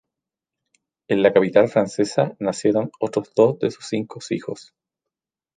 En la capital francesa nacieron otros dos de sus cinco hijos.